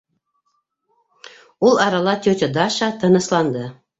Ул арала тетя Даша тынысланды.